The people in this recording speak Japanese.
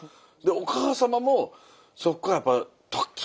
お母様もそこからやっぱ東京に。